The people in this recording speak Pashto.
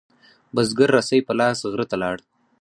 بزگر رسۍ په لاس غره ته لاړ.